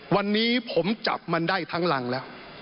วันนี้ผมจับมันได้ทั้งรังแล้ว